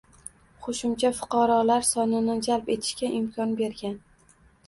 qo‘shimcha fuqarolar sonini jalb etishga imkon bergan